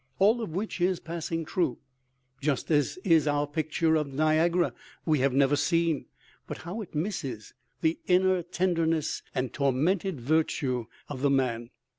All of which is passing true, just as is our picture of the Niagara we have never seen; but how it misses the inner tenderness and tormented virtue of the man!